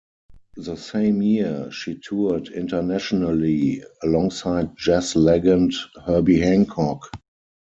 The same year she toured internationally alongside jazz legend Herbie Hancock.